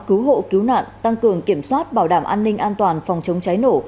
cứu hộ cứu nạn tăng cường kiểm soát bảo đảm an ninh an toàn phòng chống cháy nổ